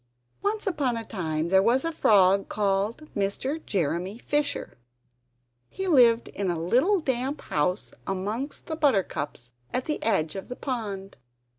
] Once upon a time there was a frog called Mr. Jeremy Fisher; he lived in a little damp house amongst the buttercups at the edge of a pond.